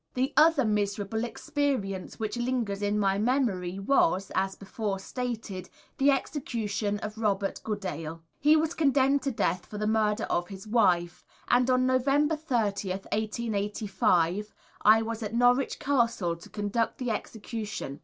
The other miserable experience which lingers in my memory was, as before stated, the execution of Robert Goodale. He was condemned to death for the murder of his wife, and on November 30th, 1885, I was at Norwich Castle to conduct the execution.